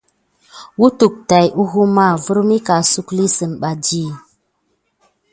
Kutuk va tät mume kam kehokini sigani.